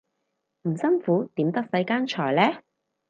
唔辛苦點得世間財呢